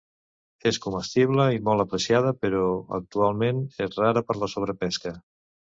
És comestible i molt apreciada però actualment és rara per la sobrepesca.